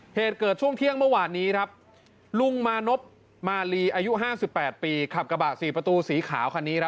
เหตุเกิดช่วงเที่ยงเมื่อวานนี้ครับลุงมานพมาลีอายุ๕๘ปีขับกระบะ๔ประตูสีขาวคันนี้